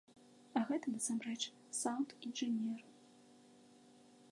А гэта, насамрэч, саўнд-інжынер.